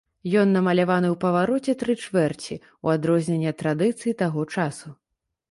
Ён намаляваны ў павароце тры чвэрці, у адрозненне ад традыцыі таго часу.